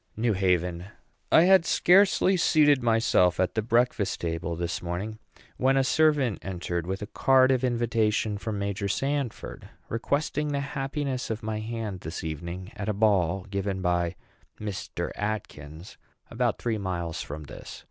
NEW HAVEN. I had scarcely seated myself at the breakfast table this morning when a servant entered with a card of invitation from Major Sanford, requesting the happiness of my hand this evening at a ball given by Mr. Atkins, about three miles from this.